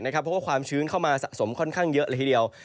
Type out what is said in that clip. เพราะว่าความชื้นเข้ามาสะสมค่อนข้างเยอะเลยทีเดียว